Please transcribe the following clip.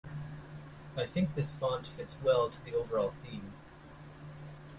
I think this font fits well to the overall theme.